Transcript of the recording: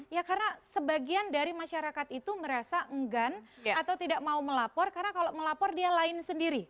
ya karena sebagian dari masyarakat itu merasa enggan atau tidak mau melapor karena kalau melapor dia lain sendiri